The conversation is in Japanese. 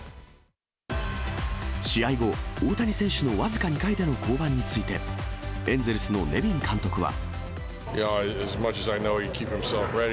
試合後、大谷選手の僅か２回での降板について、エンゼルスのネビン監督は。